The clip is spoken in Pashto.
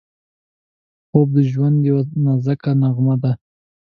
خوب د ژوند یوه نازکه نغمه ده